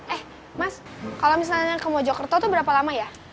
eh mas kalau misalnya ke mojokerto itu berapa lama ya